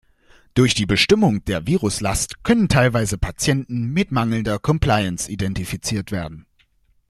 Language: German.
Durch die Bestimmung der Viruslast können teilweise Patienten mit mangelnder Compliance identifiziert werden.